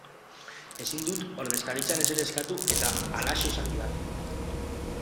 Ezin dut ordezkaritzan ezer eskatu eta halaxe esan didate.